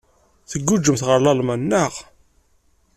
Tguǧǧemt ɣer Lalman, naɣ?